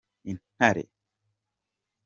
intare.